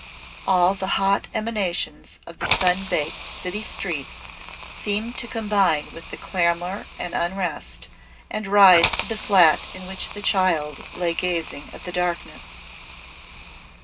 All the hot emanations of the sun baked city streets seemed to combine with their clamour and unrest, and rise to the flat in which the child lay gazing at the darkness.